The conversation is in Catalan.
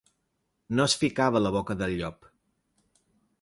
No es ficava a la boca del llop.